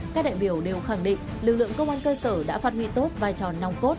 các đại biểu đều khẳng định lực lượng công an cơ sở đã phát huy tốt vai trò nòng cốt